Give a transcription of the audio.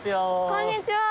こんにちは。